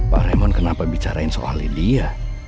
pak raymond kenapa bicarain soal lydia